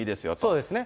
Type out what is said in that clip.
そうですね。